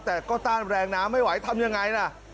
แต่ก็ต้านแรงน้ำไม่ไหวทำยังไงล่ะ